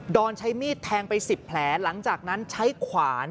อนใช้มีดแทงไป๑๐แผลหลังจากนั้นใช้ขวาน